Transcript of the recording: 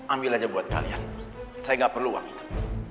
ambil aja buat kalian saya gak perlu uang itu